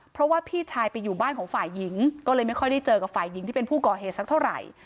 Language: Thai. เพราะว่าพี่ชายไปอยู่บ้านของฝ่ายหญิงก็เลยไม่ค่อยได้เจอกับฝ่ายหญิงที่เป็นผู้ก่อเหตุสักเท่าไหร่